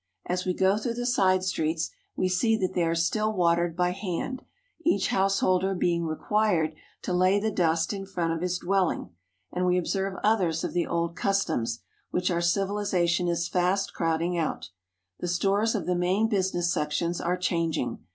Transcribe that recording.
As we go through the side streets we see that they are still watered by hand, each householder being required to Porter with Lumber. •*— taking a load of goods to the train." 46 JAPAN lay the dust in front of his dwelling, and we observe others of the old customs, which our civilization is fast crowding out. The stores of the main business sections are chang ing.